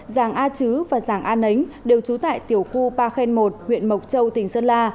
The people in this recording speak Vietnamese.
giàng a chứ và giàng a nấnh đều trú tại tiểu khu pa khen một huyện mộc châu tỉnh sơn la